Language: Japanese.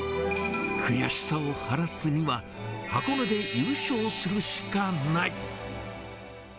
悔しさを晴らすには、箱根で優勝するしかない。